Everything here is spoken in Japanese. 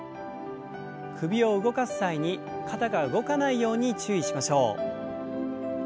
首を動かす際に肩が動かないように注意しましょう。